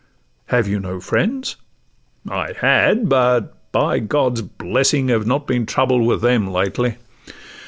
'Have you no friends?'—'I had—but, by God's blessing, Have not been troubled with them lately.